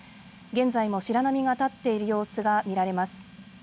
現在も白波が立っている様子が見られます。